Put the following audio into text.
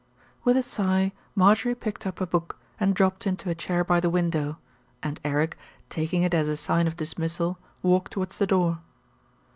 With a sigh Marjorie picked up a book and dropped into a chair by the window, and Eric, taking it as a sign of dismissal, walked towards the door.